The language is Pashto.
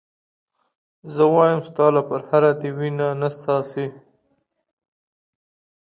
زه وایم ستا له پرهره دې وینه نه څاڅي.